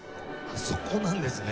そこなんですね。